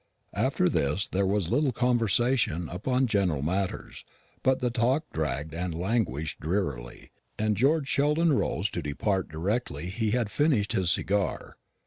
After this there was a little conversation upon general matters, but the talk dragged and languished drearily, and George Sheldon rose to depart directly he had finished his cigar.